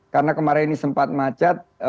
karena kemarin ini sempat macet